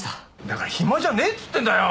だから暇じゃねえっつってんだよ！